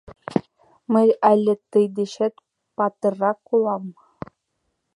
Мый але тый дечет патыррак улам.